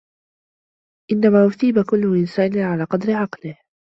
إنَّمَا أُثِيبُ كُلَّ إنْسَانٍ عَلَى قَدْرِ عَقْلِهِ